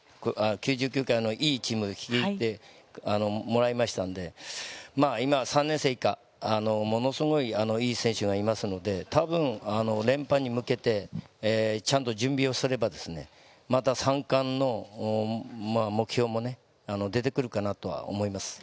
１００回に向けて素晴らしいチームを率いてもらいましたので、３年生以下、ものすごい、いい選手がいますので連覇に向けてちゃんと準備をすれば、３冠の目標も出てくるかなと思います。